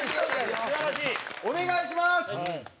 蛍原：お願いします！